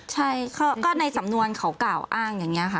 ใช่ก็ในสำนวนเขากล่าวอ้างอย่างนี้ค่ะ